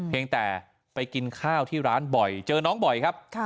ยังแต่ไปกินข้าวที่ร้านบ่อยเจอน้องบ่อยครับ